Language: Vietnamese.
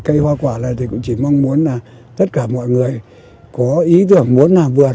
cây hoa quả này thì cũng chỉ mong muốn là tất cả mọi người có ý tưởng muốn làm vườn